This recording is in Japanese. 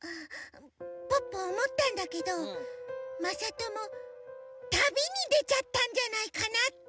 ポッポおもったんだけどまさとも旅にでちゃったんじゃないかなって。